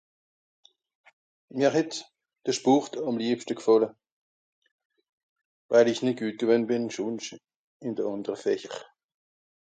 mr het de Schpòrt àm liebschte g'fàlle weil ìsch nìt guet gewenn bìn schònscht ìn de àndere Fäscher